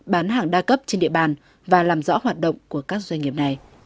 bán hàng đa cấp trên địa bàn và làm rõ hoạt động của các doanh nghiệp này